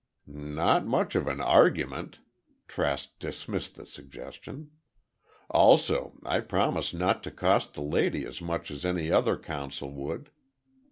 "Not much of an argument," Trask dismissed the suggestion. "Also, I promise not to cost the lady as much as any other counsel would."